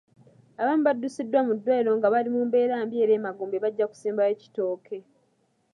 Abamu baddusiddwa mu ddwaliro nga bali mu mbeera mbi era emagombe bajja kusimbayo kitooke.